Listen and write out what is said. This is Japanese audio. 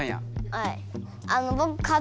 はい。